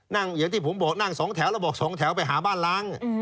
อย่างที่ผมบอกนั่ง๒แถวแล้วบอก๒แถวไปหาบ้านล้าง